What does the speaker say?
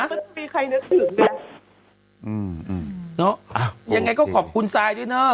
ไม่มีใครนึกถึงเลยอืมเนอะอ้าวยังไงก็ขอบคุณซายด้วยเนอะ